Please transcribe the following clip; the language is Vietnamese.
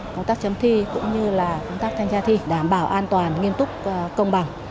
công tác chấm thi cũng như là công tác thanh tra thi đảm bảo an toàn nghiêm túc công bằng